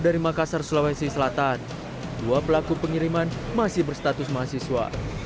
dari makassar sulawesi selatan dua pelaku pengiriman masih berstatus mahasiswa